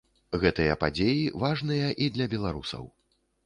Гэтыя падзеі важныя і для беларусаў.